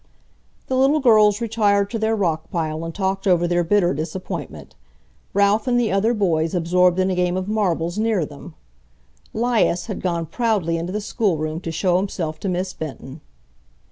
The little girls retired to their rock pile and talked over their bitter disappointment, Ralph and the other boys absorbed in a game of marbles near them. 'Lias had gone proudly into the schoolroom to show himself to Miss Benton.